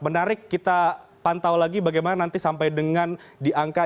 menarik kita pantau lagi bagaimana nanti sampai dengan di angka